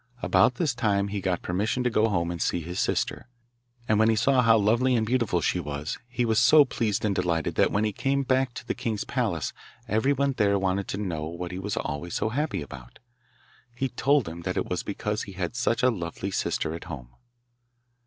About this time he got permission to go home and see his sister, and when he saw how lovely and beautiful she was, he was so pleased and delighted that when he came back to the king's palace everyone there wanted to know what he was always so happy about. He told them that it was because he had such a lovely sister at home.